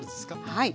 はい。